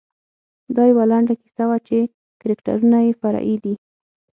دا یوه لنډه کیسه وه چې کرکټرونه یې فرعي دي.